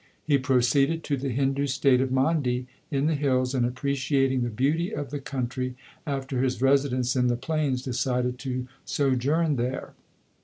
He proceeded to the Hindu state of Mandi in the hills, and appreciating the beauty of the country after his residence in the plains decided to sojourn there.